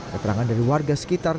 keterangan dari warga sekitar